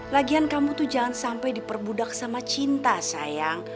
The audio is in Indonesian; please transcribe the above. lagian kamu tuh jangan sampai diperbudak sama cinta sayang